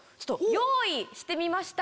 用意してみました！